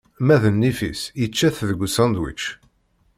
Ma d nnif-is yečča-t deg usandwič.